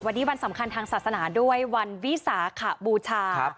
วันนี้วันสำคัญทางศาสนาด้วยวันวิสาขบูชา